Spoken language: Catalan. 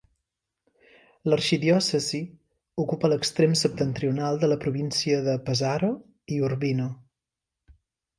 L'arxidiòcesi ocupa l'extrem septentrional de la província de Pesaro i Urbino.